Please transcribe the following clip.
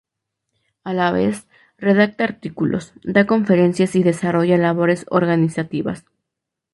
A la vez, redacta artículos, da conferencias y desarrolla labores organizativas.